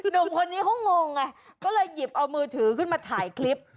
หนุ่มคนนี้เขางงไงก็เลยหยิบเอามือถือขึ้นมาถ่ายคลิป